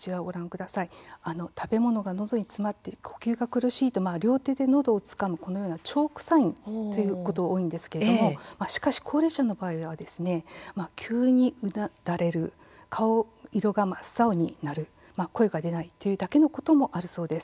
食べ物がのどに詰まって呼吸が苦しいと両手でのどをつかむチョークサインをすることが多いんですが高齢者の場合は、急にうなだれる顔色が真っ青になる、声が出ないというだけのこともあるそうです。